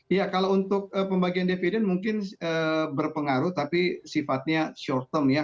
iya kalau untuk pembagian dividen mungkin berpengaruh tapi sifatnya short term ya